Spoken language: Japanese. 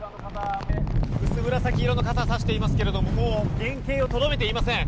薄紫色の傘をさしていますが原形をとどめていません。